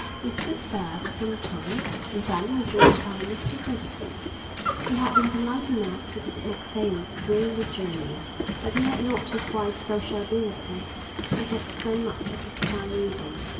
They stood there for some time and then were joined by Mr Davidson. He had been polite enough to the Macphails during the journey, but he had not his wife's sociability, and had spent much of his time reading.